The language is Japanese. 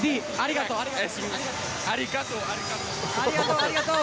ありがとう、ありがとう。